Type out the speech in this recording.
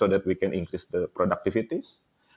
agar bisa meningkatkan produktivitas